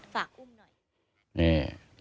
ฝากอุ้มหน่อย